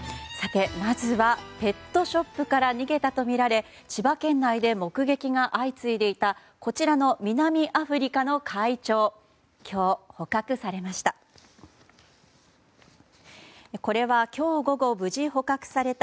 まずは、ペットショップから逃げたとみられ千葉県内で目撃が相次いでいたこちらの南アフリカの怪鳥が今日、捕獲されました。